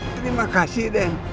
terima kasih deh